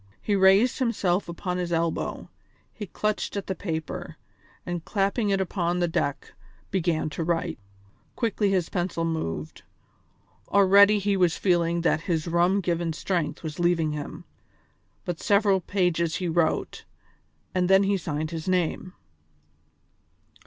He raised himself upon his elbow, he clutched at the paper, and clapping it upon the deck began to write. Quickly his pencil moved; already he was feeling that his rum given strength was leaving him, but several pages he wrote, and then he signed his name.